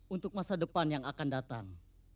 untuk masa depan yang akan datang